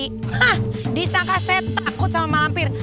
hah disangka saya takut sama malam bir